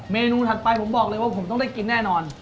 เมนูถัดไปผมบอกเลยว่าผมต้องได้กินแน่นอน